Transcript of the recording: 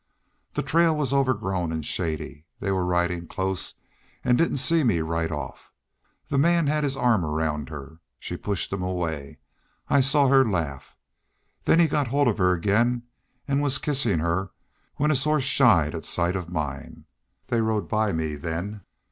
The trail was overgrown and shady. They were ridin' close and didn't see me right off. The man had his arm round her. She pushed him away. I saw her laugh. Then he got hold of her again and was kissin' her when his horse shied at sight of mine. They rode by me then.